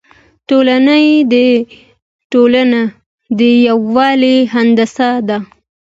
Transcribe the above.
ټولنه د یووالي هندسه ده.